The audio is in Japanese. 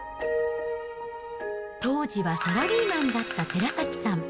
当時はサラリーマンだった寺崎さん。